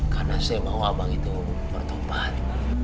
karena saya mau abang itu bertobat